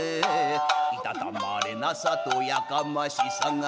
「いたたまれなさとやかましさが」